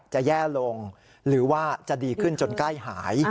แย่ลงหรือว่าจะดีขึ้นจนใกล้หาย